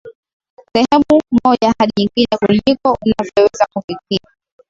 sehemu moja hadi nyingine kuliko unavyoweza kufikiri